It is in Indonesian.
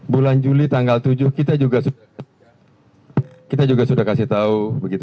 bulan juli tanggal tujuh kita juga sudah kasih tahu